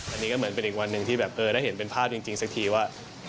อันนี้ก็เหมือนเป็นอีกวันหนึ่งที่แบบเออได้เห็นเป็นภาพจริงสักทีว่า